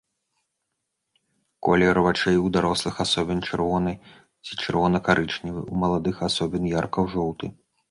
Колер вачэй у дарослых асобін чырвоны ці чырвона-карычневы, у маладых асобін ярка-жоўты.